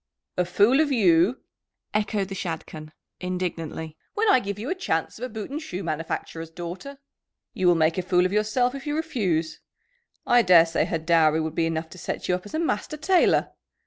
"A fool of you!" echoed the Shadchan indignantly, "when I give you a chance of a boot and shoe manufacturer's daughter. You will make a fool of yourself if you refuse. I daresay her dowry would be enough to set you up as a master tailor.